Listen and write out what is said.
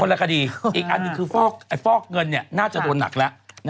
ละคดีอีกอันหนึ่งคือฟอกเงินน่าจะโดนหนักแล้ว